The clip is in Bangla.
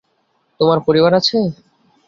তোমার পরিবার আছে?